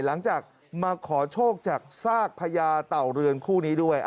หลังจากมาขอโชคจากซากพญาเต่าเรือนคู่นี้ด้วย